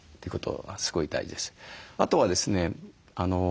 あとはですね